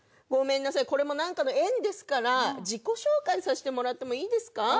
ごめんなさいこれも何かの縁ですから自己紹介させてもらってもいいですか？